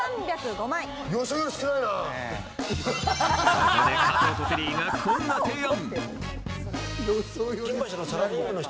そこで加藤とテリーがこんな提案。